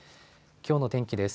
きょうの天気です。